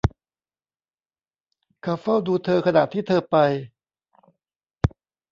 เขาเฝ้าดูเธอขณะที่เธอไป